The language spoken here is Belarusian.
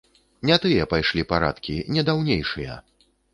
Не тыя пайшлі парадкі, не даўнейшыя.